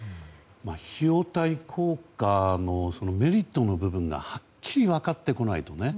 費用対効果のメリットの部分がはっきり分かってこないとね。